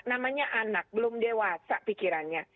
namanya anak belum dewasa pikirannya